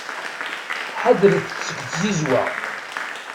Ḥadret seg tzizwa.